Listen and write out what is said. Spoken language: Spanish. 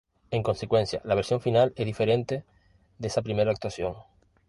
En consecuencia, la versión final es diferente de esa primera actuación.